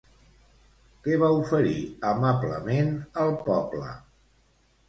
Què va oferir amablement al poble?